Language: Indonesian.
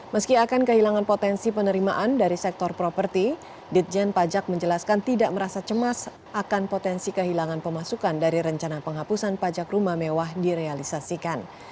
meski akan kehilangan potensi penerimaan dari sektor properti ditjen pajak menjelaskan tidak merasa cemas akan potensi kehilangan pemasukan dari rencana penghapusan pajak rumah mewah direalisasikan